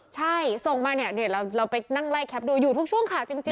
ใช่ส่งมาเนี่ยเราไปนั่งไล่แคปดูอยู่ทุกช่วงข่าวจริง